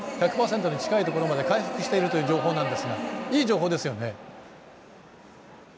１００％に近いところまで回復していると情報なんですがいい情報ですよね。